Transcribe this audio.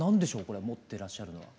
これ持ってらっしゃるのは。